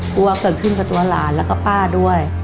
กลัวเกิดขึ้นกับตัวหลานแล้วก็ป้าด้วย